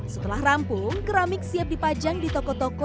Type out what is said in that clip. setelah rampung keramik siap dipajang di toko toko